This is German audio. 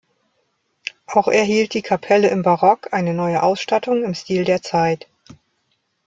Auch erhielt die Kapelle im Barock eine neue Ausstattung im Stil der Zeit.